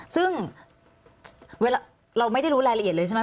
ซึ่งเวลาเราไม่ได้รู้รายละเอียดเลยใช่ไหม